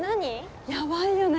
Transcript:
ヤバいよね